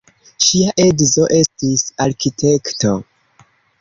Ŝia edzo estis arkitekto.